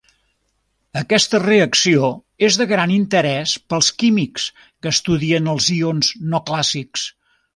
Aquesta reacció és de gran interès pels químics que estudien els ions no clàssics.